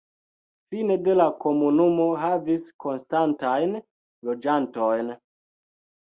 Fine de la komunumo havis konstantajn loĝantojn.